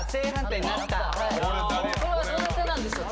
これはどなたなんでしょう？